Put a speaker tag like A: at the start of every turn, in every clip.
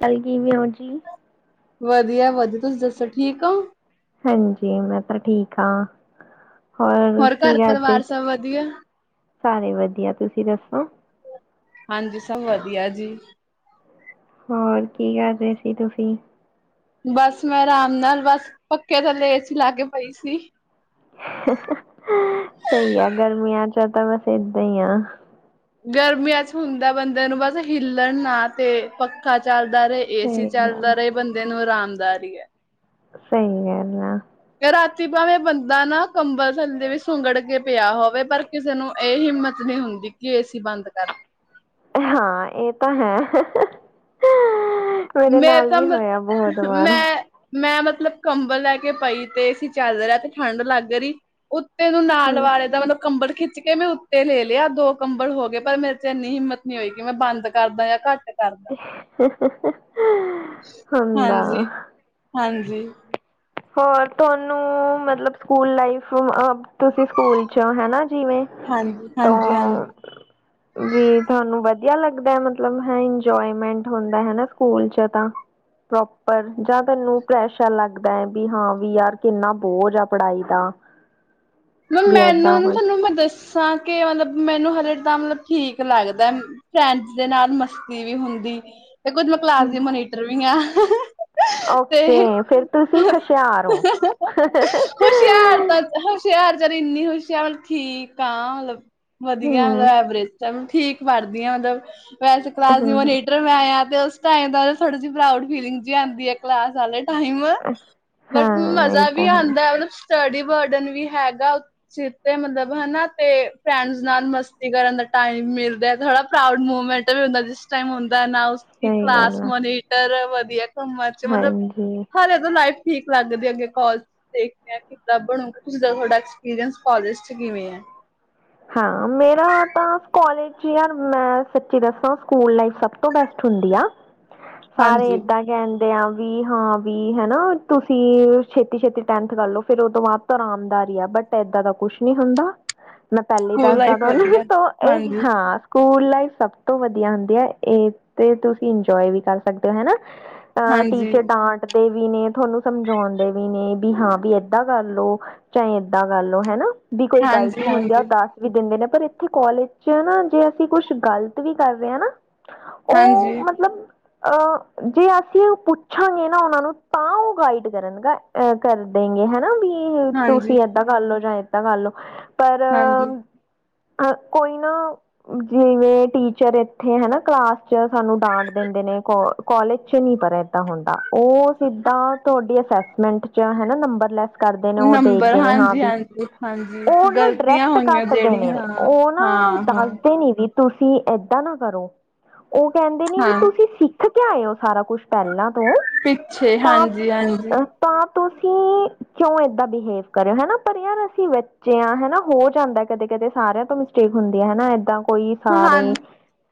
A: ਕਲੱ ਵੀ ਹੋ ਜੀ
B: ਵਧੀਆ ਵਧੀਆ ਤੁਸੀਂ ਦੱਸੋ ਠੀਕ ਹੋ
A: ਹਾਂਜੀ ਮੈਂ ਤਾਂ ਠੀਕ ਹਾ
B: ਹੋਰ ਘਰ ਪਰਿਵਾਰ ਸਭ ਵਧੀਆ
A: ਸਾਰੇ ਵਧੀਆ ਤੁਸੀਂ ਦੱਸੋ
B: ਹਾਂਜੀ ਸਭ ਵਧੀਆ ਜੀ
A: ਹੋਰ ਕੀ ਕਰ ਰਹੇ ਸੀ ਤੁਸੀਂ
B: ਬਸ ਮੈਂ ਆਰਾਮ ਨਾਲ ਬਸ ਪੱਖੇ ਥੱਲੇ ਏ ਸੀ ਲਾ ਕੇ ਪਈ ਸੀ
A: ਸਹੀ ਆ ਗਰਮੀ ਆ ਜਾ ਤਾਂ ਬਸ ਇੱਦਾਂ ਹੀ ਆ!
B: ਗਰਮੀਆਂ ਚ, ਹੁੰਦਾ ਬੰਦੇ ਨੂੰ ਬਸ ਹਿੱਲਣ ਨਾ ਤੇ ਪੱਖੇ ਚੱਲ ਦੇ ਰਹੇ ਦਾ ਰਹੇ ਏ ਸੀ
A: ਸਹੀ ਗੱਲ।
B: ਚੱਲਦਾ ਰਹੇ ਬੰਦੇ ਨੂੰ ਆਰਾਮ ਵਧਿਆ ਹੈ
A: ਸਹੀ ਹੈ ਨਾ
B: ਕਿ ਰਾਤੀ ਭਾਵੇਂ ਬੰਦਾ ਨਾ ਕੰਬਲ ਥੱਲੇ ਵੀ ਸੁੰਗੜ ਕੇ ਪਿਆ ਹੋਵੇ ਪਰ ਕਿਸੇ ਨੂੰ ਇਹ ਹਿੰਮਤ ਨਹੀਂ ਹੁੰਦੀ ਕਿ ਏਸੀ ਬੰਦ ਕਰ
A: ਹਾਂ ਇਹ ਤਾਂ ਹੈ ਮੇਰੇ
B: ਮੈਂ
A: ਨਾਲ
B: ਤਾਂ
A: ਵੀ
B: ਮੈਂ
A: ਹੋਇਆ ਬਹੁਤ ਵਾਰ।
B: ਮੈਂ ਮਤਲਬ ਮਤਲਬ ਕੰਬਲ ਲੈ ਕੇ ਪਈ ਤੇ ਚਾਦਰ ਹੈ ਤੇ ਠੰਡ ਲੱਗ ਰਹੀ ਉਹ ਤੇ ਇਹਨੂੰ ਨਾਲ
A: ਹੂੰ।
B: ਵਾਲੇ ਦਾ ਮਤਲਬ ਕੰਬਲ ਖਿੱਚ ਲਿਆ ਖਿੱਚ ਕੇ ਮੈਂ ਉੱਤੇ ਲੈ ਲਿਆ ਦੋ ਕੰਬਲ ਹੋ ਗਏ ਪਰ ਮੇਰੇ, ਚ ਇੰਨੀ ਹਿੰਮਤ ਨੀ ਹੋਏ ਕਿ ਮੈਂ ਬੰਦ ਕਰਦਾ ਜਾਂ ਘੱਟ ਕਰਦਾ
A: ਹੁੰਦਾ।
B: ਹਾਂਜੀ ਹਾਂਜੀ
A: ਹੋਰ ਤੁਹਾਨੂੰ ਮਤਲਬ ਸਕੂਲ ਲਾਈਫ ਤੁਸੀਂ ਸਕੂਲ ਚ, ਹਨਾ ਜਿਵੇਂ
B: ਹਾਂਜੀ ਹਾਂਜੀ ਹਾਂਜੀ
A: ਤੋਂ ਵੀ ਤੁਹਾਨੂੰ ਵਧਿਆ ਵਧੀਆ ਲੱਗਦਾ ਮਤਲਬ ਇੰਜੋਏਮੈਂਟ ਹੁੰਦਾ ਹਨਾ ਸਕੂਲ ਚ ਤਾਂ ਪ੍ਰੋਪਰ ਜਾਂ ਤੈਨੂੰ ਪ੍ਰੈਸ਼ਰ ਲੱਗਦਾ ਦਾਂ ਵੀ ਹਾਂ ਵੀ ਯਾਰ ਕਿੰਨਾ ਬੋਝ ਆ ਪੜ੍ਹਾਈ ਦਾ
B: ਮੈਡਮ
A: ਵੀ
B: ਮੈਨੂੰ
A: ਏਦਾਂ
B: ਨਾ
A: ਕੁਛ
B: ਤੁਹਾਨੂੰ ਮੈਂ ਦੱਸਾਂ ਕੇ ਮਤਲਬ ਮੈਨੂੰ ਹਰੇ ਤਾਂ ਮਤਲਬ ਠੀਕ ਲੱਗਦਾ ਫਰੈਂਡਸ ਦੇ ਨਾਲ ਮਸਤੀ ਵੀ ਹੁੰਦੀ ਤੇ ਕੁੱਝ ਮੈਂ ਕਲਾਸ ਦੇ ਮੋਨੀਟਰ ਵੀ ਹਾਂ ਹ
A: ਓਕੇ ਫੇਿਰ ਤੁਸੀਂ ਹੁਸ਼ਿਆਰ ਹੋ
B: ਹੁਸ਼ਿਆਰ ਤਾਂ ਹੁਸ਼ਿਆਰ ਕਲਾਸ ਚ ਇੰਨੀ ਹੋਈਸ਼ ਮਤਲਬ ਠੀਕ ਆ ਮਤਲਬ ਵਧੀਆ
A: ਹਮ
B: ਐਵਰੇਜ ਸ ਠੀਕ ਪੜ੍ਹਦੀ ਹ ਮਤਲਬ ਵੈਸੇ ਕਲਾਸ ਦੀ
A: ਹਮ
B: ਮਨੀ ਡਰੀ ਮੈਂ ਐ ਦਾ ਥੋੜੀ ਸੀ ਬਰਾਊਡ ਫੀਲਿੰਗ ਜਿਹੀ ਆਉਂਦੀ ਹ ਕਲਾਸ ਵਾਲੇ ਟਾਈਮ ਬਟ
A: ਹਾਂ ਇਹ
B: ਮਜ਼ਾ ਵੀ
A: ਤਾਂ ਹੈ
B: ਆਉਂਦਾ ਮਨ ਸਟਡੀ ਬਾਰਡਨ ਵੀ ਹੈਗਾ ਚ ਤੇ ਮਤਲਬ ਹਨਾ ਤੇ ਫਰੈਂਡਸ ਨਾਲ ਮਸਤੀ ਕਰਨ ਦਾ ਟਾਈਮ ਮਿਲਦਾ ਥੋੜਾ ਪ੍ਰਾਊਡ ਮੂਵਮੈਂਟ ਵੀ ਹੁੰਦਾ ਜਿਸ ਟਮ ਹੁੰ
A: ਸਹੀ
B: ਕਲਾਸ
A: ਗੱਲ ਆ
B: ਮੋਨੀਟਰ ਵ ਹਰ ਉਮਰ ਚ ਮਤਲਬ
A: ਹਾਂਜੀ
B: ਹਾਲੇ ਤਾਂ ਲਾਈਫ ਠੀਕ ਲੱਗਦੇ ਅੱਗੇ ਕਾਲ ਦੇਖਦੇ ਹਾਂ ਕਿ ਬਣੂਗਾ ਤੁਸੀਂ ਦਾ ਤੁਹਾਡਾ ਐਕਸਪੀਰੀਅੰਸ ਪੋਜਿਸ ' ਕਿਵੇਂ ਹੈ
A: ਹਾਂ ਮੇਰਾ ਤਾ ਕਾਲਜ ਮੈਂ ਸੱਚੀ ਦੱਸਾਂ ਸਕੂਲ ਲਾਈ ਸਭ ਤੋਂ ਬੈਸਟ ਹੁੰਦੀ ਆ ਸਾਰੇ
B: ਹਾਂਜੀ
A: ਏਦਾਂ ਕ ਵੀ ਹਾਂ ਵੀ ਹਨਾ ਤੁਸੀਂ ਛੇਤੀ ਛੇਤੀ ਟੈਂਨਥ ਕਰਲੋ ਫੇਿਰ ਉਹ ਤੋਂ ਬਾਅਦ ਤੋਂ ਆਰਾਮਦਾਰੀ ਆ ਬਟ ਏਦਾਂ ਦਾ ਕੁਛ ਨੀ ਹੁੰਦਾ ਮੈਂ ਪਹਿਲੇ ਹੀ
B: ਸਕੂਲ
A: ਦੱਸਦਾ
B: ਲਾਈਫ
A: ਤ
B: ਵਧੀਆ
A: ਨਾ ਇਹ
B: ਹਾਂਜੀ,
A: ਹਾਂ ਸਕੂਲ ਸਭ ਤੋਂ ਵਧੀਆ ਹੁੰਦੀ ਆ ਇਹ ਤੇ ਤੁਸੀਂ ਇੰਜੋਏ ਵੀ ਕਰ ਸਕਦੇ ਹੋ ਹਨਾ ਅਹ
B: ਹਾਂਜੀ,
A: ਟੀਚੇ ਡਾਂਟ ਵੀ ਨੇ ਤੁਹਾਨੂੰ ਸਮਝਾਉਣਦੇ ਵੀ ਨੇ ਵੀ ਹਾਂ ਵੀ ਏਦਾਂ ਕਰ ਲੋ ਚਾਹੇ ਏਦਾਂ ਕਰ ਲੋ ਹਨਾ ਦੀ ਕੋਈ
B: ਹਾਂਜੀ,
A: ਗਲਤੀ ਹੁੰਦੀ ਆ
B: ਹਾਂਜੀ,
A: ਦਿੰਦੇ ਨੇ ਪਰ ਇੱਥੇ ਕੋਾਲਜ ਚ ਨਾ ਜੇ ਅਸੀਂ ਕੁਛ ਗ਼ਲਤ ਵੀ ਕਰ ਰਹੇ ਹਾਂ ਨਾ
B: ਹਾਂਜੀ
A: ਅਹ ਜੇ ਅਸੀਂ ਪੁੱਛਾਂਗੇ ਨਾ ਉਹਨਾਂ ਨੂੰ ਤਾਂ ਉਹ ਗਾਈਡ ਕਰਨਗਾ ਅਹ ਕਰ ਦਗੇ ਹਨਾ ਵੀ ਤੁਸੀਂ
B: ਹਾਂਜੀ,
A: ਏਦਾਂ ਕਰਲੋ ਜਾਂ ਤਾਂ ਗੱਲਓ ਪਰ
B: ਹਾਂਜੀ।
A: ਕੋਈ ਨਾ ਜਿਵੇਂ ਟੀਚਰ ਇੱਥੇ ਹਨ ਕਲਾਸ ਚ ਸਾਨੂੰ ਡਾਂਟ ਦਿੰਦੇ ਨੇ ਕੋਾਲਜ ਚ ਨ ਪਰ ਇਏਦਾਂ ਹੁੰਦਾ ਉਹ ਸਿੱਧਾ ਤੁਹਾਡੀ ਅਸਸਮੈਂਟ ਚ ਨੰਬਰ ਲੈਸ ਕਰਦੇ ਨੇ ਉਹ
B: ਨੰਬਰ
A: ਦੇਖਦੇ ਨੇ ਹਾਂ
B: ਹਾਂਜੀ,
A: ਵੀ
B: ਹਾਂਜੀ, ਹਾਂਜੀ,
A: ਉਹ ਨਾ
B: ਗ਼ਲਤੀਆਂ
A: ਡਾਇਰੈਕਟ
B: ਹੋਣ
A: ਕੱਟ ਦੇਣੇ ਨੇ, ਉਹ ਨਾ ਦੱਸਦੇ ਨੀ ਵੀ ਤੁਸੀਂ ਏਦਾਂ ਨਾ ਕਰੋ। ਉਹ ਕਹਿੰਦੇ ਨੇ ਵੀ
B: ਹਾਂ
A: ਤੁਸੀਂ ਸਿੱਖ ਕਿੱਥੇ ਆਏ ਹੋ! ਸਾਰਾ ਕੁਛ ਪਹਿਲਾਂ ਤੋਂ,
B: ਪਿੱਛੇ
A: ਤਾਂ
B: ਹਾਂਜੀ ਹਾਂਜੀ
A: ਅ ਤਾਂ ਤੁਸੀਂ ਕਿਉਂ ਏਦਾਂ ਬਿਹੇਵ ਕਰ ਰਹੇ, ਹਨਾ ਪਰ ਯਾਰ ਅਸੀਂ ਬੱਚੇ ਹਾਂ, ਹਨਾ ਹੋਰ ਜਾਂਦਾ ਕਦੇ ਕਦੇ ਸਾਰਿਆਂ ਤੋਂ ਮਿਸਟੇਕ ਹੁੰਦੀ ਹੈ, ਹਨਾ ਏਦਾਂ ਕੋਈ
B: ਹਾਂ,
A: ਸਾਰੇ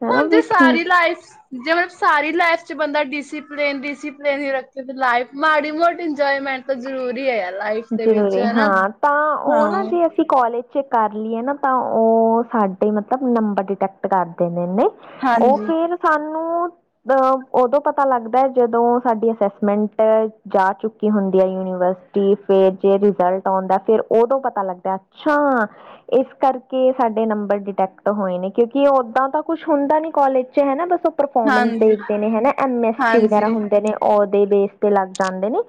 A: ਹਨਾ
B: ਹੁਣ ਜੇ
A: ਵੀ ਠੀਕ
B: ਸਾਰੀ ਲਾਈਫ, ਜੇ ਮਤਲਬ ਸਾਰੀ ਲਾਈਫ ਬੰਦਾ ਡਿਸਿਪਲਿਨ ਡਿਸਿਪਲਿਨ ਹੀ ਰੱਖੇ, ਲਾਈਫ ਮਾੜੀ ਮੋਟੀ ਇੰਜੋਏਮੈਂਟ ਤਾਂ ਜ਼ਰੂਰੀ ਹੈ ਯਾਰ। ਲਾਈਫ ਦੇ ਵਿੱਚ
A: ਜ਼ਰੂਰੀ
B: ਹਨਾ
A: ਹਾਂ, ਤਾਂ ਉਹ
B: ਹਾਂ
A: ਨਾ ਜੇ ਅਸੀਂ ਕਾਲੇਜ ਚੇ ਕਰ ਲਈਏ ਨਾ ਤਾਂ, ਉਹ ਸਾਡੇ ਮਤਲਬ ਨੰਬਰ ਡਿਟੈਕਟ ਕਰ ਦੇ ਨੇ ਨਈ। ਉਹ
B: ਹਾਂਜੀ
A: ਫੇਰ ਸਾਨੂੰ ਉ ਉਦੋਂ ਪਤਾ ਲੱਗਦਾ ਜਦੋਂ ਸਾਡੀ ਅਸੈਸਮੈਂਟ ਜਾ ਚੁੱਕੀ ਹੁੰਦੀ ਹੈ, ਯੂਨੀਵਰਸਿਟੀ। ਫੇਰ ਜੇ ਰਿਜ਼ਲਟ ਆਉਂਦਾ, ਫੇਰ ਉਦੋਂ ਪਤਾ ਲੱਗਦਾ, ਹਾ ਹਾ, ਇਸ ਕਰਕੇ ਸਾਡੇ ਨੰਬਰ ਡਿਟੈਕਟ ਹੋਏ ਨੇ ਕਿਉਂਕਿ ਓਦਾਂ ਤਾਂ ਕੁੱਛ ਹੁੰਦਾ ਨੀ ਕਾਲੇਜ ਚ ਹੈ ਹਨਾਂ ਬਸ ਪਰਫੋਰਮੈਂਸ
B: ਹਾਂਜੀ
A: ਦੇਖਦੇ ਨੇ ਹਨਾ, ਐਮ ਐਸ ਸੀ
B: ਹਾਂਜੀ
A: ਵਗੈਰਾ ਹੁੰਦੇ ਨੇ, ਉਹਦੇ ਬੇਸ ਤੇ ਲੱਗ ਜਾਂਦੇ ਨੇ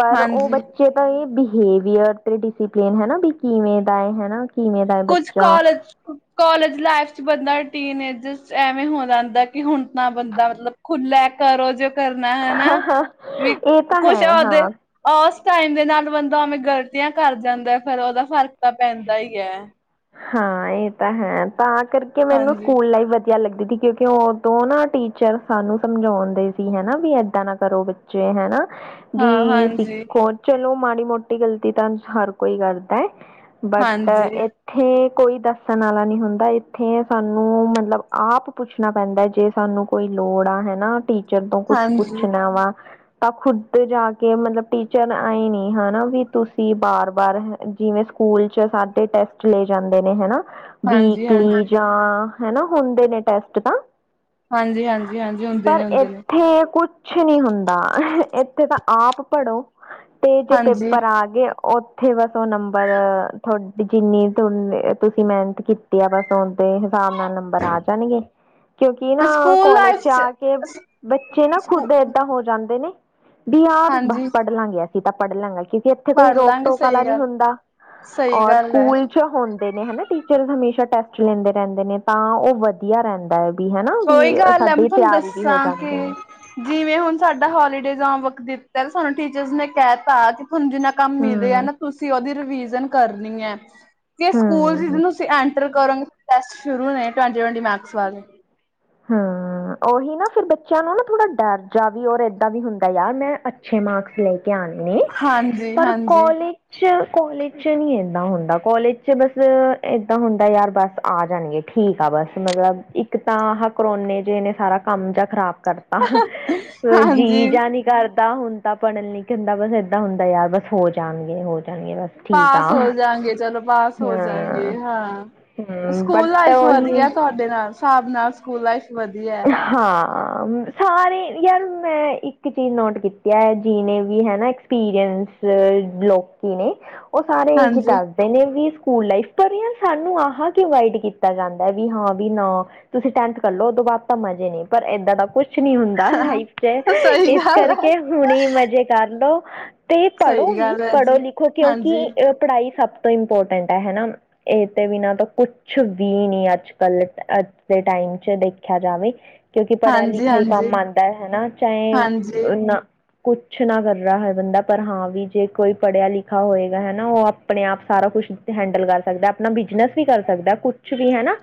A: ਪਰ ਉਹ
B: ਹਾਂਜੀ
A: ਬੱਚੇ ਬਿਹੇਵੀਅਰ ਤੇ ਡਿਸਪਲਨ ਹਨਾ, ਵੀ ਕਿਵੇਂ ਦਾ ਏ ਹਨਾ। ਕਿਵੇਂ ਦਾ ਹੈ
B: ਕੁਝ
A: ਬੱਚਾ
B: ਕਾਲਜ ਕਾਲਜ ਲਾਈਫ ਚ ਬੰਦਾ ਟੀਨ ਏਜ ਐਵੇਂ ਹੋ ਜਾਂਦਾ ਕਿ ਹੁਣ ਤਾਂ ਬੰਦਾ ਮਤਲਬ ਖੁੱਲਾ ਕਰੋ ਜੇ ਕਰਨਾ ਹਨਾ, ਵੀ
A: ਇਹ ਤਾਂ
B: ਕੁਛ
A: ਹੈ
B: ਉਹਦੇ
A: ਹਾਂ
B: ਟਾਈਮ ਦੇ ਨਾਲ ਬੰਦਾ ਉਵੇਂ ਗ਼ਲਤੀਆਂ ਕਰ ਜਾਂਦਾ, ਫੇਰ ਉਹਦਾ ਫ਼ਰਕ ਤਾਂ ਪੈਂਦਾ ਹੀ ਐ।
A: ਹਾਂ, ਇਹ ਤਾਂ ਹੈ। ਤਾਂ ਕਰਕੇ ਮੈਨੂੰ
B: ਹਾਂਜੀ
A: ਸਕੂਲ ਲਾਈਫ ਲੱਗਦੀ ਸੀ, ਕਿਉਂਕਿ ਉਦੋਂ ਨਾ ਟੀਚਰ ਸਾਨੂੰ ਸਮਝਾਉਂਦੇ ਸੀ, ਹਨਾ ਵੀ ਏਦਾਂ ਨਾ ਕਰੋ ਬੱਚੇ ਹਨਾ।
B: ਹਾਂ
A: ਵੀ
B: ਹਾਂਜੀ
A: ਸਿੱਖੋ ਚਲੋ ਮਾੜੀ ਮੋਟੀ ਗਲਤੀ ਤਾਂ ਹਰ ਕੋਈ ਕਰਦਾ ਏ। ਬਟ
B: ਹਾਂਜੀ
A: ਇਹ ਇੱਥੇ ਕੋਈ ਦੱਸਣ ਵਾਲਾ ਨਹੀਂ ਹੁੰਦਾ, ਇੱਥੇ ਸਾਨੂੰ ਮਤਲਬ ਆਪ ਪੁੱਛਣਾ ਪੈਂਦਾ, ਜੇ ਸਾਨੂੰ ਕੋਈ ਲੋੜ ਆ ਹੈਨਾ। ਟੀਚਰ ਤੋਂ ਕੁੱਛ
B: ਹਾਂਜੀ
A: ਪੁੱਛਣਾ ਵਾ ਤਾਂ ਖੁੱਦ ਜਾ ਕੇ ਮਤਲਬ ਟੀਚਰ ਆਏ ਨੀ ਹਨਾ, ਵੀ ਤੁਸੀਂ ਬਾਰ- ਬਾਰ ਜਿਵੇਂ ਸਕੂਲ ਚ ਸਾਡੇ ਟੈਸਟ ਚਲੈ ਜਾਂਦੇ ਨੇ ਹਨਾ।
B: ਹਾਂਜੀ
A: ਵੀਕਲੀ
B: ਹਾਂਜੀ
A: ਜਾਂ ਹਨਾ ਹੁੰਦੇ ਨੇ, ਟੈਸਟ ਤਾਂ
B: ਹਾਂਜੀ -ਹਾਂਜੀ -ਹਾਂਜੀ ਹੁੰਦੇ ਨੇ,
A: ਪਰ
B: ਹੁੰਦੇ ਨੇ।
A: ਇੱਥੇ ਕੁਛ ਨਹੀਂ ਹੁੰਦਾ, ਇੱਥੇ ਤਾਂ ਆਪ ਪੜੋ। ਪੇ ਜੇ
B: ਹਾਂਜੀ
A: ਪੇਪਰ ਆਗੇ। ਉੱਥੇ ਬਸ ਉਹ ਨੰਬਰ ਤੁਹਾਡੀ ਜਿੰਨੀ ਤੁਸੀਂ ਮਿਹਨਤ ਕੀਤੀ ਆ ਬਸ ਔਦੇ ਹਿਸਾਬ ਨਾਲ ਨੰਬਰ ਆ ਜਾਣਗੇ ਕਿਉਂਕਿ ਨਾ
B: ਸਕੂਲ
A: ਕਾਲਜ
B: ਲਾਈਫ
A: ਚ ਆ ਕੇ ਬੱਚੇ ਨਾ
B: ਸਕੂ
A: ਖੁਦ ਏਦਾਂ ਹੋ ਜਾਂਦੇ ਨੇ। ਡੀਅਰ ਬਸ
B: ਹਾਂਜੀ
A: ਪੜ੍ਹ ਲਾਂਗੇ ਅਸੀ। ਤਾਂ ਪੜਲਾਂਗੇ ਅਸੀਂ ਕਿਉਂਕਿ ਇੱਥੇ ਕੋਈ
B: ਪੜ੍ਹ
A: ਰੋਕ
B: ਲਾਂਗੇ
A: ਟੋਕ ਵਾਲਾ
B: ਸਹੀ
A: ਨਹੀਂ
B: ਗੱਲ
A: ਹੁੰਦਾ,
B: ਸਹੀ
A: ਔਰ
B: ਗੱਲ ਹੈ।
A: ਸਕੂਲ ਹੁੰਦੇ ਨੇ ਹਨਾ ਟੀਚਰ ਹਮੇਸ਼ਾ ਟੈਸਟ ਲੈਂਦੇ ਰਹਿੰਦੇ ਨੇ ਤਾਂ ਉਹ ਵਧੀਆ ਰਹਿੰਦਾ ਹੈ। ਵੀ ਹਨਾ ਵੀ
B: ਕੋਈ ਗੱਲ ਹੈ ਮੈਂ
A: ਸਾਡੀ
B: ਤੁਹਾਨੂੰ
A: ਤਿਆਰੀ ਵੀ
B: ਦੱਸਾਂ
A: ਹੋ ਜਾਂਦੀ
B: ਕਿ
A: ਹੈ
B: ਜਿਵੇਂ ਹੁਣ ਸਾਡਾ ਹੋਲੀਡੇਜ ਹੋਮਵਰਕ ਦਿੱਤਾ ਸਾਨੂੰ ਟੀਚਰ ਨੇ ਕਹਿਤਾ ਕਿ ਹੁਣ ਜਿੰਨਾ ਕੰਮ ਮਿਲ ਰਿਆ
A: ਹਮ
B: ਨਾ ਤੁਸੀਂ ਉਹਦੀ ਰ ਰਵੀਜ਼ਨ ਕਰਨੀ ਐ। ਤੇ ਸਕੂਲ
A: ਹਮ
B: ਜਿਹਨੂੰ ਐਂ ਟੈਸਟ ਸ਼ੁਰੂ ਨੇ ਟਵੰਟੀ ਟਵੰਟੀ ਮਾਕਸ ਵਾਲੇ।
A: ਹੂੰ ਉਹੀ ਨਾ ਫਿਰ ਬੱਚਿਆਂ ਨੂੰ ਨਾ ਥੋੜਾ ਡਰ ਜਾ ਵੀ ਓਹ ਰਹਿੰਦਾ, ਏਦਾਂ ਵੀ ਹੁੰਦਾ ਯਾਰ ਮੈਂ ਅੱਛੇ ਮਾਰਕਸ ਲੈ ਕੇ ਆਨੇ ਨੇ
B: ਹਾਂਜੀ
A: ਪਰ
B: ਹਾਂਜੀ
A: ਕਾਲਜ ਚ ਕੋਲੇਜ ਚ ਨਹੀਂ ਏਨਾ ਹੁੰਦਾ ਕਾਲਜ ਚ ਬਸ ਏਦਾਂ ਹੁੰਦਾ ਯਾਰ ਬਸ ਆ ਜਾਣਗੇ ਠੀਕ ਆ ਬਸ ਮਤਲਬ ਇੱਕ ਤਾਂ ਆਹ ਕਰੋਨੇ ਜਿ ਨੇ ਸਾਰਾ ਕੰਮ ਜਾ ਖ਼ਰਾਬ ਕਰਤਾ ਜੀ
B: ਹਾਂਜੀ
A: ਜਾਂ ਨੀ ਕਰ ਕਰਦਾ ਹੁਣ ਤਾਂ ਪੜ੍ਹਨ ਲਈ ਕਹਿੰਦਾ ਬਸ ਏਦਾਂ ਹੁੰਦਾ ਯਾਰ ਬਸ ਹੋ ਜਾਣਗੇ ਹੋ ਜਾਣਗੇ ਬਸ ਠੀਕ ਆ
B: ਪਾਸ ਹੋ ਜਾਂਗੇ ਚਲੋ ਪਾਸ ਹੋ
A: ਹਾਂ
B: ਜਾਂਗੇ ਹਾਂ
A: ਹੂੰ
B: ਸਕੂਲ
A: ਬਟ
B: ਲਾਈਫ
A: ਉਹੀ
B: ਵਧੀਆ ਤੁਹਾਡੇ ਨਾਲ ਹਿਸਾਬ ਨਾਲ ਸਕੂਲ ਲਾਈਫ ਵਧੀਆ ਐ।
A: ਹਾਂ ਸਾਰੇ ਯਾਰ ਮੈਂ ਇੱਕ ਚੀਜ਼ ਨੋਟ ਕੀਤੀ ਐ ਜਿਹਨੇ ਵੀ ਹਨਾ ਐਕਸਪੀਰੀਅੰਸ ਲੋਕੀ ਨੇ ਉਹ ਸਾਰੇ ਇਹੀ
B: ਹਾਂਜੀ
A: ਦੱਸਦੇ ਨੇ ਵੀ ਸਕੂਲ ਲਾਈਫ ਪਰ ਆ ਸਾਨੂੰ ਆਹ ਕਿ ਗਾਈਡ ਕੀਤਾ ਜਾਂਦਾ ਹੈ ਵੀ ਹਾਂ ਵੀ ਨਾ ਤੁਸੀਂ ਟੈਂਥ ਕਰਲੋ ਉਦੋਂ ਬਾਪ ਤਾਂ ਮਜੇ ਨੀ ਪਰ ਇੱਦਾਂ ਦਾ ਕੁੱਛ ਕੁਛ ਨੀ ਹੁੰਦਾ ਲਾਈਫ ਚ
B: ਸਹੀ
A: ਇਸ
B: ਗੱਲ ਹੈ
A: ਕਰਕੇ ਹੁਣੇ ਮਜ਼ੇ ਕਰਲੋ। ਤੇ ਪੜ੍ਹੋ
B: ਸਹੀ
A: ਵੀ
B: ਗੱਲ ਹੈ
A: ਪੜ੍ਹੋ
B: ਜੀ
A: ਲਿਖੋ ਕਿਉਂਕਿ
B: ਹਾਂਜੀ।
A: ਅ ਪੜ੍ਹਾਈ ਸਭ ਇੰਪੋਰਟੈਂਟ ਹੈ ਹਨਾ ਇਹ ਤੇ ਬਿਨਾਂ ਤਾਂ ਕੁਛ ਵੀ ਨੀ ਅੱਜ ਕੱਲ ਅੱਜ ਦੇ ਟਾਈਮ ਚ ਦੇਖਿਆ। ਖਿਆ ਜਾਵੇ। ਕਿਉਂਕਿ ਪੜ੍ਹਿਆ ਲਿਖਿਆ ਹੀ
B: ਹਾਂਜੀ-ਹਾਂਜੀ,
A: ਕੰਮ
B: ਹਾਂਜੀ।
A: ਆਉਂਦਾ ਹੈ ਹਨਾ ਚਾਹੇ
B: ਹਾਂਜੀ
A: ਨਾ ਕੁਛ ਨਾ ਕਰਹਾ ਹੈ ਬੰਦਾ ਪਰ ਹਾਂ ਵੀ ਜੇ ਕੋਈ ਪੜ੍ਹਿਆ ਲਿਖਿਆ ਹੋਏਗਾ ਹਨਾ ਉਹ ਆਪਣੇ ਆਪ ਸਾਰਾ ਕੁਛ ਹੈਂਡਲ ਕਰ ਸਕਦਾ ਆਪਣਾ ਬਿਜਨਸ ਵੀ ਕਰ ਸਕਦਾ ਕੁਛ ਵੀ ਹਨਾ।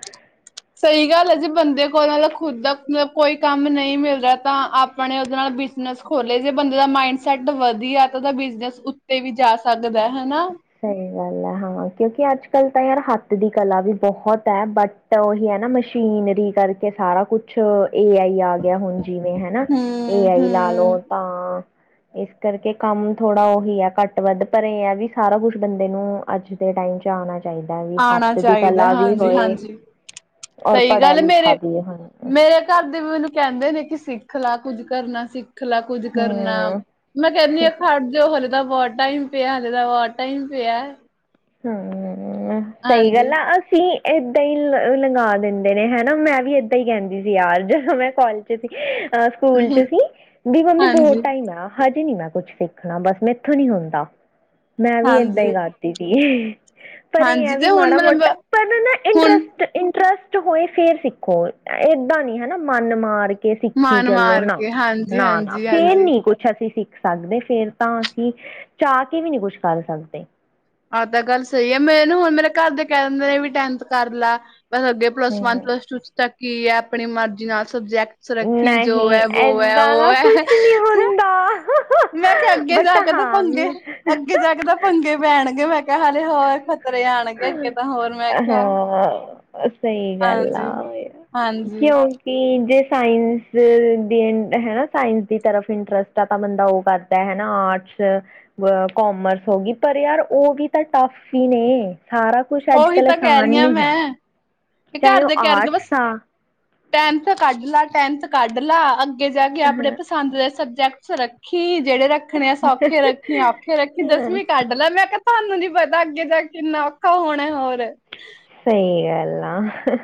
B: ਸਹੀ ਗੱਲ ਹੈ ਜੇ ਬੰਦੇ ਕੋਲ ਦਾ ਖੁਦ ਦਾ ਕੋਈ ਕੰਮ ਨਹੀਂ ਮਿਲ ਰਿਹਾ ਤਾਂ ਆਪਣੇ ਉਹਦੇ ਨਾਲ ਬਿਜਨਸ ਖੋਲੇ ਜੇ ਬੰਦੇ ਦਾ ਮਾਇੰਡਸੈਟ ਵਧੀਆ ਤਾਂ ਉਹਦਾ ਬਿਜਨਸ ਉੱਤੇ ਵੀ ਜਾ ਸਕਦਾ ਲੱਗਦਾ ਹਨਾ
A: ਸਹੀ ਗੱਲ ਹੈ ਹਾਂ ਕਿਉਂਕਿ ਅੱਜ ਕੱਲ੍ਹ ਤਾਂ ਯਾਰ ਹੱਥ ਦੀ ਕਲਾ ਵੀ ਬਹੁਤ ਹੈ ਬਟ ਉਹੀ ਹੈ ਨਾ ਮਸ਼ੀਨਰੀ ਕਰਕੇ ਸਾਰਾ ਕੁਛ ਏ ਆਈ ਆ ਗਿਆ ਹੁਣ ਜਿਵੇਂ ਹਨਾ ਏ ਆਈ ਲਾ ਲਓ
B: ਹੂੰ-ਹੂੰ,
A: ਤਾਂ ਇਸ ਕਰਕੇ ਕੰਮ ਥੋੜਾ ਉਹੀ ਆ ਘੱਟ ਵੱਧ ਪਰ ਇਹ ਆ ਵੀ ਸਾਰਾ ਕੁੱਛ ਬੰਦੇ ਨੂੰ ਅੱਜ ਦੇ ਟਾਈਮ ਚ ਆਉਣਾ ਚਹੀਦਾ
B: ਆਉਣਾ ਚਾਹੀਦਾ ਹਾਂਜੀ ਹਾਂਜੀ
A: ਔਰ
B: ਸਹੀ
A: ਪੜ੍ਹਿਆ
B: ਗੱਲ
A: ਲਿਖਾ
B: ਮੇਰੇ
A: ਵੀ ਹੋਏ
B: ਮੇਰੇ ਘਰ ਦੇ ਵੀ ਮੈਨੂੰ ਕਹਿ ਕਹਿੰਦੇ ਨੇ ਕਿ ਸਿੱਖ ਲਾ ਕੁੱਝ ਕਰਨਾ ਸਿੱਖ ਖਲਾ ਕੁੱਝ ਕਰਨਾ
A: ਹਮ
B: ਮੈਂ ਕਹਿੰਦੀ ਹ ਖੜ ਜੋ ਹਲੇ ਦਾ ਬਹੁਤ ਟਾਈਮ ਪਿਆ ਹਾਲੇ ਦਾ ਬਹੁਤ ਟਾਈਮ ਪਿਆ
A: ਹਾਂ ਹਮ ਸਹੀ
B: ਹਾਂਜੀ,
A: ਗੱਲ ਆਸੀ ਏਦਾਂ ਹੀ ਲੰਗਾ ਦਿੰਦੇ ਨੇ ਹਨਾ ਮੈਂ ਵੀ ਏਦਾਂ ਹੀ ਕਹਿੰਦੀ ਸੀ ਯਾਰ ਜਦੋਂ ਮੈਂ ਕੋਾਲਜ ਚ ਸੀ ਸਕੂਲ ਚ ਸੀ ਵੀ ਮੰਮੀ ਬਹੁਤ
B: ਹਾਂਜੀ,
A: ਟਾਈਮ ਆ ਹਜੇ ਨੀ ਮੈਂ ਕੁਛ ਸਿੱਖਣਾ ਬਸ ਮੈਂਥੋਂ ਨੀ ਹੁੰਦਾ ਮੈਂ ਵੀ ਏਦਾਂ ਹੀ
B: ਹਾਂਜੀ।
A: ਕਰਤੀ ਸੀ ਹ [unintelligible] ਪਰ ਇਹ
B: ਹਾਂਜੀ
A: ਐ ਵੀ
B: ਤੇ ਹੁਣ
A: ਮਾੜਾ
B: ਮਤਲਬ
A: ਮੋਟਾ ਪਰ ਨਾ
B: ਹੁਣ
A: ਇੰਟਰਸਟ ਇੰਟਰਸਟ ਹੋਏ ਫੇਰ ਸਿੱਖੋ ਏਦਾਂ ਨੀ ਹਨਾ ਮਨ ਮਾਰ ਕੇ ਸਿੱਖੀ
B: ਮਾਨ
A: ਚੱਲੋ
B: ਮਾਰ
A: ਨਾ
B: ਕੇ ਹਾਂਜੀ
A: ਨਾ ਨਾ
B: ਹਾਂਜੀ
A: ਫੇਰ
B: ਹਾਂਜੀ
A: ਨੀ ਕੁਛ ਅਸੀਂ ਸਿੱਖੀ ਸਕਦੇ ਫੇਰ ਤਾਂ ਅਸੀਂ ਚਾਹ ਕੇ ਵੀ ਨਹੀਂੀ ਕੁਛ ਕਰ ਸਕਦੇ
B: ਆਹ ਤਾਂ ਗੱਲ ਸਹੀ ਹੈ ਮੈਨੂੰ ਹੁਣ ਮੇਰੇ ਘਰ ਦੇ ਕਹਿ ਦਿੰਦੇ ਨੇ ਵੀ ਟੈਨਥ ਕਰ ਲਾ ਬਸ ਅੱਗੇ ਪਲੱਸ ਵਨ
A: ਹਮ
B: ਪਲੱਸ ਟੂ ਚ ਤ ਕੀ ਹੈ ਆਪਣੀ ਮਰਜ਼ੀ ਨਾਲ ਸਬਜੈਕਟਸ ਰੱਖੀ ਜੋ
A: ਨਹੀਂ
B: ਹੈ ਵੋ ਹੈ
A: ਏਦਾਂ
B: ਉਹ
A: ਦਾ
B: ਹੈ
A: ਕੁਛ ਨੀ ਹੁੰਦਾ
B: ਮੈਂ ਕਿਹਾ ਅੱਗੇ
A: ਬਟ
B: ਜਾ ਕੇ ਤਾਂ
A: ਹਾਂ
B: ਪੰਗੇ ਅੱਗੇ ਜਾ ਕੇ ਤਾਂ ਪੰਗੇ ਪੈਣਗੇ ਮੈ ਹੋਰ ਮੈਂ ਕਿਹਾ
A: ਹਾਂ ਸਹੀ ਗੱਲ
B: ਹਾਂਜੀ
A: ਆ
B: ਹਾਂਜੀ
A: ਕਿਉਂਕਿ ਜਿਸ ਸਾਇੰਸ ਦੀ ਹੈਾ ਸਾਇੰਸ ਦੀ ਤਰਫ ਇੰਟਰਸਟ ਆ ਤਾਂ ਬੰਦਾ ਉਹ ਕਰਦਾ ਹਨਾ ਆਰਟਸ ਕੋਾਮਰਸ ਹੋ ਗਈ ਪਰ ਯਾਰ ਉਹ ਵੀ ਤਾਂ ਟਫ ਹੀ ਨੇ ਸਾਰਾ ਕੁਛ ਅੱਜ
B: ਉਹੀ
A: ਕੱਲ੍ਹ
B: ਤਾਂ ਕਹਿ ਰਹੀ
A: ਆਸਾਨ ਨੀ
B: ਹਾਂ
A: ਹੈ
B: ਮੈਂ
A: ਚਾਹੇ
B: ਘਰ
A: ਉਹ
B: ਦੇ ਕਹਿਰਗੇ ਬਸ
A: ਆਰਟਸ ਆ
B: ਟੈਮ ਤਾਂ ਕੱਢ ਲਾ ਪੈਂਨਥ ਕੱਢ ਲਾ ਅੱਗੇ ਅੱਗੇ ਜਾ ਕੇ ਆਪਣੇ
A: ਹਾਂ
B: ਪਸੰਦ ਦੇ ਸਬਜ਼ੀ ਜੈਕਸੁਰੱਖੀ ਜਿਹੜੇ ਰੱਖਣੇ ਆ ਸੌਖੇ ਰੱਖੀ ਔਖੇ ਰੱਖੀ ਦਸਵੀਂ ਕੱਢ ਲੈ ਮੈਂ ਕਿਹਾ ਸਾਨੂੰ ਨੀ ਪਤਾ ਅੱਗੇ ਜਾ ਕਿੰਨਾ ਕ ਹੋੁਣੇ ਹੋਰ।
A: ਸਹੀ ਗੱਲ। ਲਾ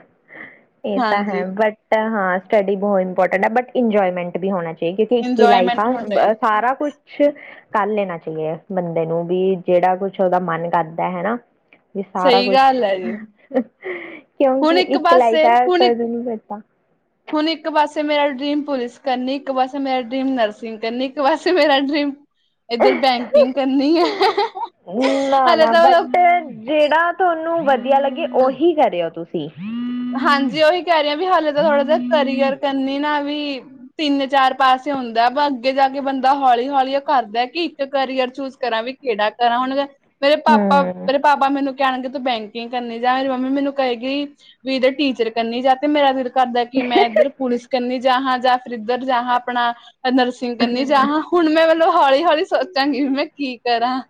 A: ਇਹ ਤਾਂ
B: ਹਾਂਜੀ
A: ਹੈ, ਬਟ ਹਾਂ ਸਟੱਡੀ ਬਹੁਤ ਇੰਪੋਰਟੈਂਟ ਬਟ ਇੰਜੋਏਮੈਂਟ ਵੀ ਹੋਣਾ ਚਾੲ ਦਾ ਇੱਕ ਹੀ ਲਾਈਫ
B: ਇੰਜੋਏਮੈਂਟ
A: ਆ
B: ਹੁੰਦਾ
A: ਸਾਰਾ ਕੁਛ ਕੁਛ ਕਰ ਲੈਣਾ ਚਾਹੀਏ ਬੰਦੇ ਨੂੰ ਵੀ ਜਿਹੜਾ ਕੁਛ ਉਹਦਾ ਮਨ ਕਰਦਾ ਹੈ ਨ। ਵੀ ਸਾਰਾ
B: ਸਹੀ
A: ਕੁਛ
B: ਗੱਲ ਹੈ ਜੀ
A: ਹ-ਹ
B: ਹੁਣ
A: ਕਿਉਂਕਿ ਇੱਕ ਲਾਈਫ
B: ਪਾਸੇ
A: ਹੈ।
B: ਹੁਣ ਹੁਣ ਇੱਕ ਪਾਸੇ ਮੇਰਾ ਡਰੀਮ ਪੁਲਿਸ ਕਰਨੀ, ਇੱਕ ਪਾਸੇ ਮੇਰਾ ਡਰੀਮ ਨਰਸਿੰਗ ਕਰਨੀ, ਇੱਕ ਪਾਸੇ ਮੇਰਾ ਡਰੀਮ ਇੱਧਰ
A: ਅਹ
B: ਬੈਂਕਿੰਗ ਕਰਨੀ ਹੈ
A: -ਹ, ਨਾ-
B: ਹਾਲੇ
A: ਨਾ ਬਟ
B: ਤਾਂ
A: ਜਿਹੜਾ ਤੁਹਾਨੂੰ ਵਦ ਵਧੀਆ ਲੱਗੇ ਉਹੀ ਕਰਿਯੋ ਤੁਸੀਂ।
B: ਹਾਂਜੀ ਉਹੀ ਕਹਿ ਰਹੀ ਹ ਵੀ ਹਾਲੇ ਤਾਂ ਥੋੜਾ ਜਿਹਾ ਕਰੀਅਰ ਕਰਨੀ ਨਾ ਵੀ ਤਿੰਨ-ਚਾਰ ਪਾਸੇ ਹੁੰਦਾ, ਪਰ ਅੱਗੇ ਜਾ ਕੇ ਬੰਦਾ ਹੌਲੀ ਹੌਲੀ ਉਹ ਕਰਦਾ ਕਿ ਇੱਕ ਕਰੀਅਰ ਚੂਜ ਕਰਾਂ ਵੀ ਕਿਹੜਾ ਕਰਾਂ ਹੁਣ ਮੇਰੇ
A: ਹੂੰ
B: ਪਾਪਾ ਮੇਰੇ ਪਾਪਾ ਮੈਨੂੰ ਕਹਿਣਗੇ ਤੂੰ ਬੈਂਕਿੰਗ ਕਰਨੀ ਜਾਂ ਮੇਰੀ ਮੰਮੀ ਮੈਨੂੰ ਕਹੇਗੀ ਵੀਰੇ ਟੀਚਰ ਕਰਨੀ ਜਾ ਤੇ ਮੇਰਾ ਫੇਰ ਕਰਦਾ ਹ ਕਿ ਮੈਂ ਇੱਧਰ ਪੁਲਿਸ ਕਨੀ ਜਾ ਹਾਂ। ਇਧਰ ਜਾ ਹਾਂ ਆਪਣਾ ਨਰਸਿੰਗ ਕਰਨੀ ਜਾ ਹਾਂ ਹੁਣ ਮੈਂ ਮਲਬ। ਹੌਲੀ-ਹੌਲੀ ਸੋਚਾਂਗੀ ਵੀ ਮੈਂ ਕੀ ਕਰਾਂ।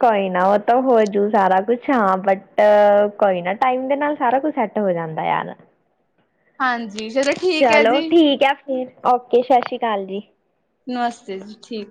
A: ਕੋਈ ਨਾ ਉਹ ਤਾਂ ਹੋਜੂ ਸਾਰਾ ਕੁਛ ਹਾਂ, ਬਟ ਕੋਈ ਨਾ ਟਾਈਮ ਦੇ ਨਾਲ ਸਾਰਾ ਕੁਛ ਸੈਟ ਹੋ ਜਾਂਦੇ ਯਾਰ।
B: ਹਾਂਜੀ ਜੀ ਚਲੋ ਠੀਕ ਹੈ
A: ਚਲੋ
B: ਜੀ।
A: ਠੀਕ ਹੈ ਫਿਰ ਓਕੇ ਸਤਿ ਸ਼੍ਰੀ ਅਕਾਲ ਜੀ।
B: ਨਮਸਤੇ ਜੀ, ਠੀਕ।